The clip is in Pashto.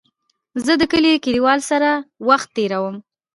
زه د کلي د کليوالو سره وخت تېرووم.